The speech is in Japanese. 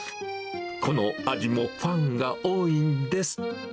この味も、ファンが多いんです。